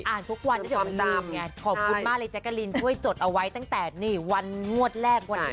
อ่านทุกวันถ้าเดี๋ยวมันลืมไงขอบคุณมากเลยแจ๊คกะลินท่วยจดเอาไว้ตั้งแต่วันงวดแรกวันที่๑